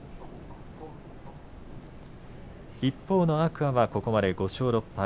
一方の天空海はここまで５勝６敗。